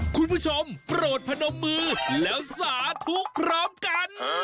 คุณผู้ชมโปรดพนมมือแล้วสาธุพร้อมกัน